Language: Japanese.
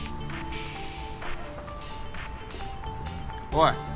おい？